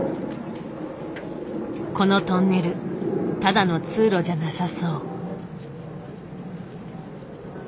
このトンネルただの通路じゃなさそう。